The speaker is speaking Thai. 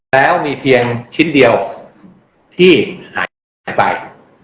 แล้วมีเพียงชิ้นเดียวที่หายไป